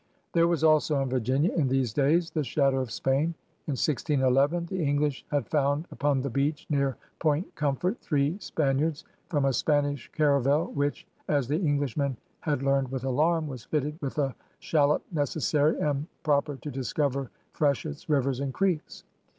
' There was also on Virginia in these days the shadow of Spain. In 1611 the English had found upon the beach near Point Comfort three Span iards from a Spanish caravel which, as the English men had learned with alarm, was fitted with a shallop necessarie and propper to discover fresh etts, rivers, and creekes.'